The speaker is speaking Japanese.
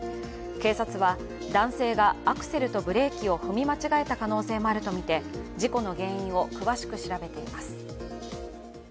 警察は、男性がアクセルとブレーキを踏み間違えた可能性もあるとみて事故の原因を詳しく調べています。